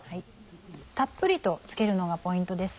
たっぷりと付けるのがポイントです。